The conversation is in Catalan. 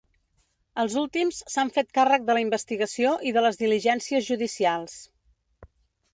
Els últims s’han fet càrrec de la investigació i de les diligències judicials.